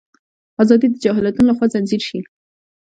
ازادي د جهالتونو لخوا ځنځیر شي.